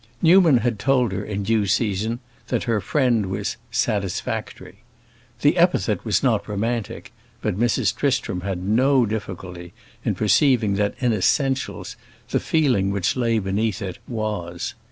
Newman had told her, in due season, that her friend was "satisfactory." The epithet was not romantic, but Mrs. Tristram had no difficulty in perceiving that, in essentials, the feeling which lay beneath it was.